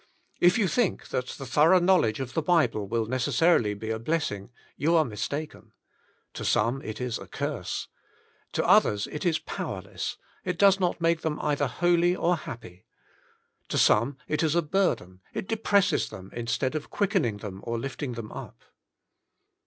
If you think that the thorough knowledge of the Bible will necessarily be a blessing, you are mistaken. To some it is a curse. To others it is powerless, it does not make them either holy or happy. To some it is a burden, it depresses them instead of quickening them or lifting them up.